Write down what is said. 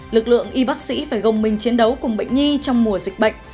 lực lượng y bác sĩ phải gồng mình chiến đấu cùng bệnh nhi trong mùa dịch bệnh